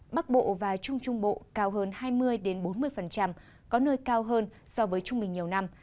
bắc bộ và trung trung bộ cao hơn hai mươi bốn mươi có nơi cao hơn so với trung bình nhiều năm